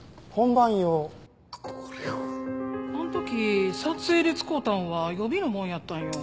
あの時撮影で使うたんは予備のもんやったんよ。